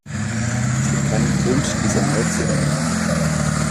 Es gibt keinen Grund, dies erneut zu ändern.